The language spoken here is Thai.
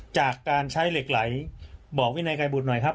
จากการใช้เหล็กไหลบอกวินัยไกรบุตรหน่อยครับ